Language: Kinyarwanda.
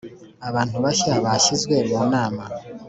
Abantu bashya bashyizwe mu Nama.